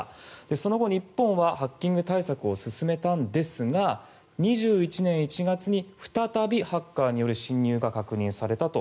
その後、日本はハッキング対策を進めたんですが２１年１月に再びハッカーによる侵入が確認されたと。